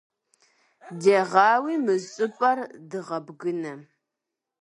Дегъауи мы щӀыпӀэр дыгъэбгынэ.